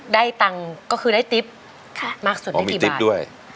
ได้ตังค์ก็คือได้ติ๊บค่ะมากสุดได้กี่บาทอ๋อมีติ๊บด้วย